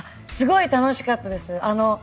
すごい楽しかったです。